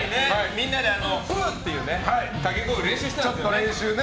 みんなでフーっていう掛け声を練習してたんですよね。